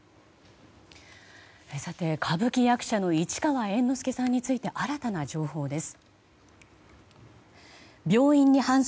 歌舞伎役者の市川猿之助さんについて新たな情報です。